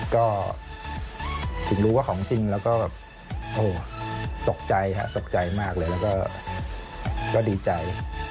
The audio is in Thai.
ก็ถึงรู้ว่าของจริงแล้วก็แบบโอ้โหตกใจฮะตกใจมากเลยแล้วก็ดีใจ